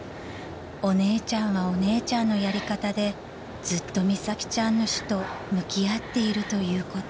［お姉ちゃんはお姉ちゃんのやり方でずっと美咲ちゃんの死と向き合っているということ］